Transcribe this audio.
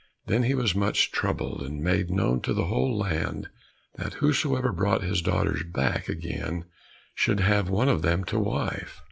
Then he was much troubled, and made known to the whole land that whosoever brought his daughters back again should have one of them to wife.